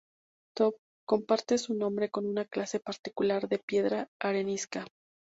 Toph comparte su nombre con una clase particular de piedra arenisca.